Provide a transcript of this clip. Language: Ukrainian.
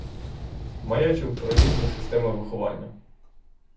Маячив про різні системи виховання.